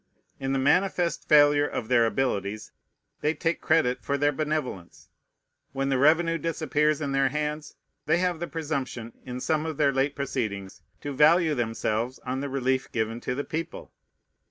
In the manifest failure of their abilities, they take credit for their benevolence. When the revenue disappears in their hands, they have the presumption, in some of their late proceedings, to value themselves on the relief given to the people.